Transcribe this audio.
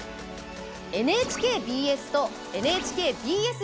ＮＨＫＢＳとＮＨＫＢＳ